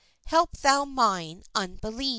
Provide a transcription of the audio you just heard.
Help thou mine unbelief."